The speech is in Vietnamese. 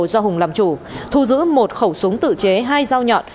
do hùng làm chủ thu giữ một khẩu súng tự chế hai dao nhọn